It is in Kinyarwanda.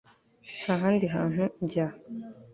Nta handi hantu njya